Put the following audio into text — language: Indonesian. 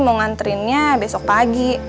mau nganterinnya besok pagi